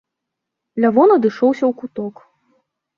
Лявон адышоўся ў куток.